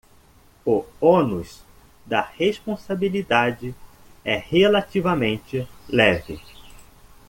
O ônus da responsabilidade é relativamente leve